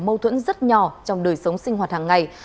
mâu thuẫn rất nhỏ trong đời sống sinh hoạt hàng ngày